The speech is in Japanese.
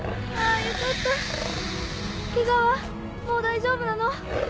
もう大丈夫なの？